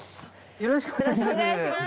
よろしくお願いします。